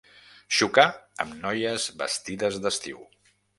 Xocar amb noies vestides d'estiu.